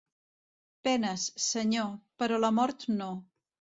Penes, Senyor, però la mort no.